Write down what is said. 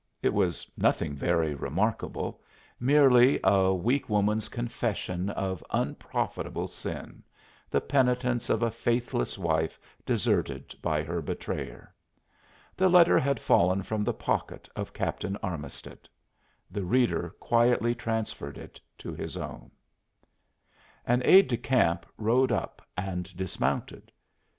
It was nothing very remarkable merely a weak woman's confession of unprofitable sin the penitence of a faithless wife deserted by her betrayer. The letter had fallen from the pocket of Captain Armisted; the reader quietly transferred it to his own. An aide de camp rode up and dismounted.